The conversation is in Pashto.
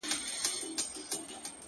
د آتشي غرو د سکروټو د لاوا لوري؛